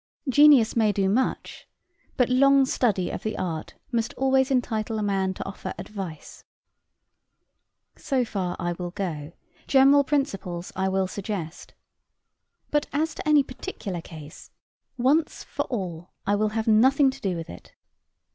Genius may do much, but long study of the art must always entitle a man to offer advice. So far I will go general principles I will suggest. But as to any particular case, once for all I will have nothing to do with it.